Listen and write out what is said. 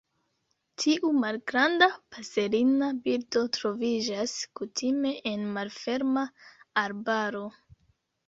Tiu malgranda paserina birdo troviĝas kutime en malferma arbaro.